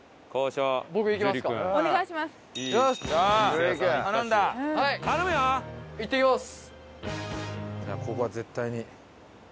さあここは絶対に。